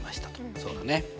そうだね。